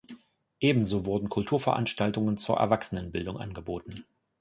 Ebenso wurden Kulturveranstaltungen zur Erwachsenenbildung angeboten.